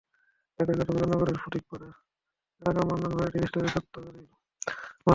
একই কথা বললেন নগরের ফুদকিপাড়া এলাকার মান্নান ভ্যারাইটি স্টোরের স্বত্বাধিকারী আবদুল মান্নানও।